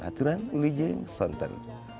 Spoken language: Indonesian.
aturan luijeng sonten